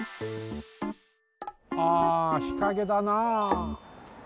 ああ日陰だなあ。